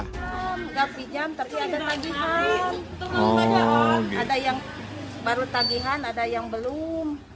tidak pinjam tapi ada tagihan ada yang baru tagihan ada yang belum